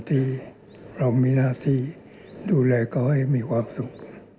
ที่เรามีหน้าที่ดูแลเขาให้มีความสุข